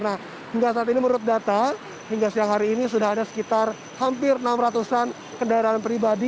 nah hingga saat ini menurut data hingga siang hari ini sudah ada sekitar hampir enam ratus an kendaraan pribadi